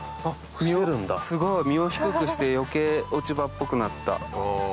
すごい身を低くして余計落ち葉っぽくなった。